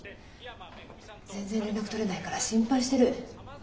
全然連絡取れないから心配してる。